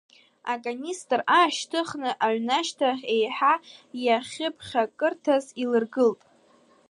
Аканистр аашьҭыхны аҩнашьҭахь, еиҳа иахьыԥхьакырҭаз илыргылт.